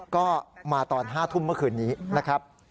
ก็มาตอน๕ทุ่มเมื่อคืนนี้นะครับ